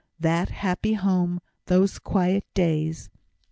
That happy home those quiet days!